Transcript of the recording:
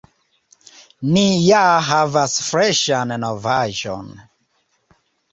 Ni ja havas freŝan novaĵon!